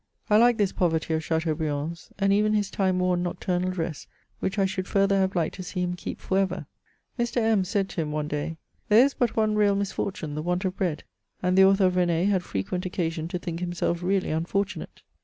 I like this poverty of Chateaubriand's, and even his time worn nocturnal dress, which I should further have liked to see him keep for ever. Mr. M said to him one day, " There is but one real misfortune — ^the want of bread :" and the author of K^ne had frequent occasion to think himself really unfor tunate.